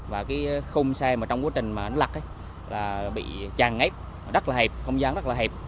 và khung xe trong quá trình lật bị chàn ngếp rất là hẹp không gian rất là hẹp